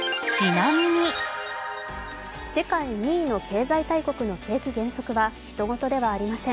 世界２位の経済大国の景気減速はひと事ではありません。